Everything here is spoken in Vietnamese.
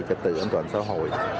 trật tự an toàn xã hội